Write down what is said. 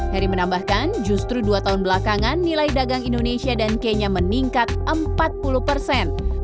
heri menambahkan justru dua tahun belakangan nilai dagang indonesia dan kenya meningkat empat puluh persen